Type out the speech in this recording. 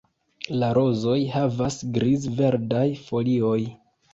La rozoj havas griz-verdaj folioj.